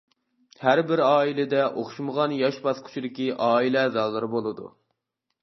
ھەر بىر ئائىلىدە ئوخشىمىغان ياش باسقۇچىدىكى ئائىلە ئەزالىرى بولىدۇ.